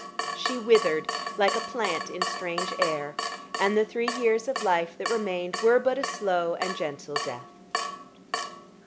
She withered like a plant in strange air, and the three years of life that remained were but a slow and gentle death.